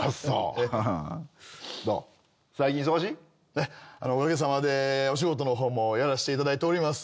ええあのおかげさまでお仕事の方もやらせていただいております。